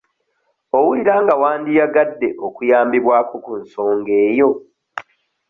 Owulira nga wandiyagadde okuyambibwako ku nsonga eyo?